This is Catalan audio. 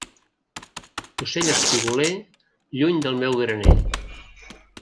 Ocell espigoler, lluny del meu graner.